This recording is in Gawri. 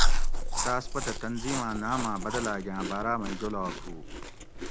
تاۤس پتہ تنظیماں ناماۤں بدلاگاۤں باراۤ مئی جولاگ ہُو